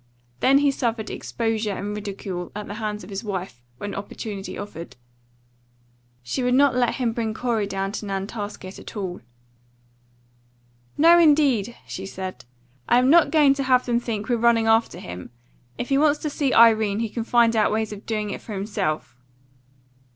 Then he suffered exposure and ridicule at the hands of his wife, when opportunity offered. She would not let him bring Corey down to Nantasket at all. "No, indeed!" she said. "I am not going to have them think we're running after him. If he wants to see Irene, he can find out ways of doing it for himself."